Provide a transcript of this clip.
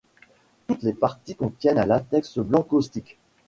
Toutes les parties contiennent un latex blanc caustique.